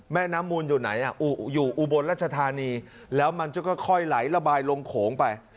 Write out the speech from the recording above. แม่น้ำมูลอยู่ไหนอยู่อุบลรัชธานีแล้วมันจะค่อยไหลระบายลงโขงไป